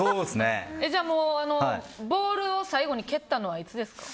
じゃあもうボールを最後に蹴ったのはいつですか？